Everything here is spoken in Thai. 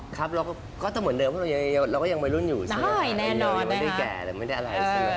ครับก็ต้องเหมือนเดิมเพราะเรายังมีรุ่นอยู่ใช่ไหมไม่ได้แก่ไม่ได้อะไรใช่ไหมฮะ